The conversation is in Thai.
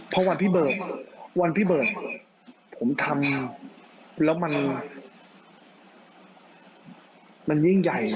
พอวันพี่เบิร์ตผมทำแล้วมันมันยิ่งใหญ่